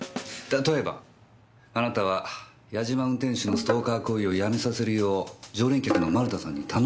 例えばあなたは八嶋運転手のストーカー行為をやめさせるよう常連客の丸田さんに頼んだ。